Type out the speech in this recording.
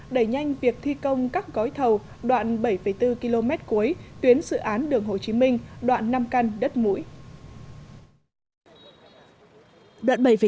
đẩy nhanh việc thi công các gói thầu đoạn bảy bốn km cuối tuyến dự án đường hồ chí minh đoạn năm căn đất mũi